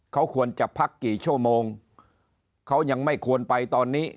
เขาควรจะพักกี่ชั่วโมงเขายังไม่ควรไปตอนนี้